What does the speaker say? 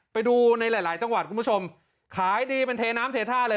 ไปดูในหลายจังหวัดคุณผู้ชมขายดีเป็นเทน้ำเทท่าเลย